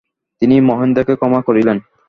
তিনি মহেন্দ্রকে ক্ষমা করিলেন।